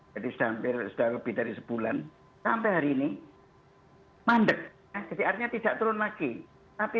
jadi sampai sudah lebih dari sebulan sampai hari ini mandek jadi artinya tidak turun lagi tapi